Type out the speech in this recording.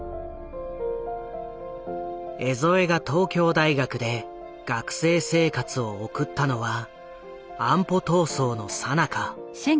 江副が東京大学で学生生活を送ったのは安保闘争のさなか。